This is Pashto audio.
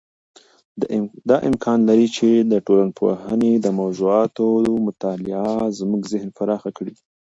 دا امکان لري چې د ټولنپوهنې د موضوعاتو مطالعه زموږ ذهن پراخ کړي.